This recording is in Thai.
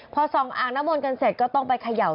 พอส่องอ่างน้ำมนต์กันเสร็จก็ต้องไปเขย่า